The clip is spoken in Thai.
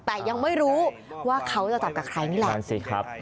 แต่ยังไม่รู้ว่าเขาจะจับกับใครนี่แหละ